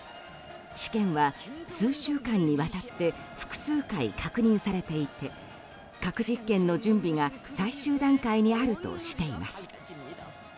試験は数週間にわたって複数回確認されていて核実験の準備が最終段階にあるとしています。